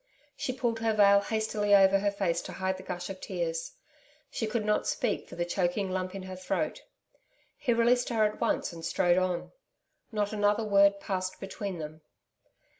She pulled her veil hastily over her face to hide the gush of tears. She could not speak for the choking lump in her throat. He released her at once and strode on. Not another word passed between them.